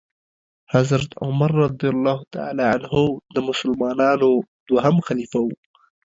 حضرت عمرفاروق رضی الله تعالی عنه د مسلمانانو دوهم خليفه وو .